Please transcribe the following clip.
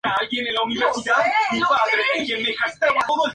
La nueva fachada se realizó con vidrio reciclado.